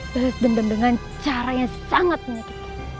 balas dendam dengan caranya sangat menikmati